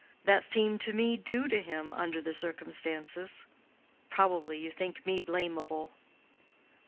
That seemed to me due to him under the circumstances. Probably you think me blamable."